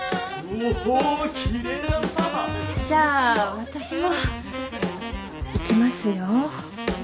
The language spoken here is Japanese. じゃあ私もいきますよ。